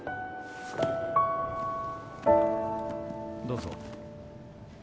どうぞ